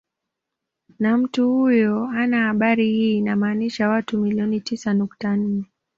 Na mtu huyo hana habari hii inamaanisha watu milioni tisa nukta nne